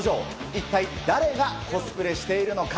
一体、誰がコスプレしているのか？